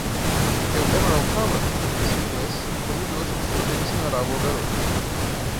"É o Emerald Tablet?", disse o inglês? orgulhoso por poder ensinar algo ao garoto.